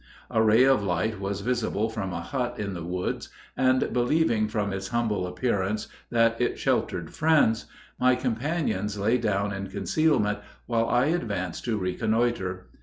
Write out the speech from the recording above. A ray of light was visible from a hut in the woods, and believing from its humble appearance that it sheltered friends, my companions lay down in concealment while I advanced to reconnoiter.